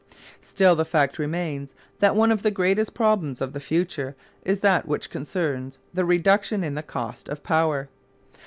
Still the fact remains that one of the greatest problems of the future is that which concerns the reduction in the cost of power.